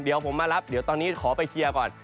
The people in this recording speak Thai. เดี๋ยวผมมารับเดี๋ยวตอนนี้ขอไปเคลียร์ก่อน